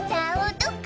どこ？